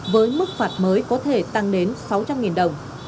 với mức phạt mới có thể tăng đến sáu trăm linh đồng